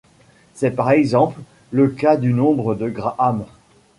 C'est par exemple le cas du nombre de Graham.